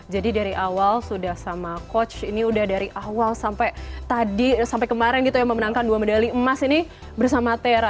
jadi dari awal sudah sama coach ini udah dari awal sampai tadi sampai kemarin gitu ya memenangkan dua medali emas ini bersama tera